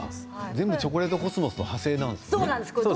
全部チョコレートコスモスからの派生なんですね。